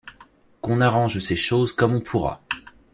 Qu’on arrange ces choses comme on pourra.